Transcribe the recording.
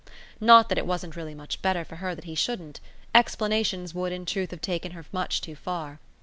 Not that it wasn't really much better for her that he shouldn't: explanations would in truth have taken her much too far.